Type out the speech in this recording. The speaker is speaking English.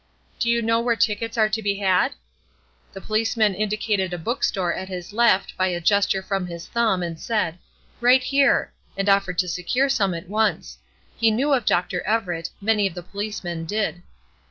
"Do you know where tickets are to be had?" The policeman indicated a bookstore at his left by a gesture from his thumb, and said, "Right here," and offered to secure some at once. He knew Dr. Everett; many of the policemen did.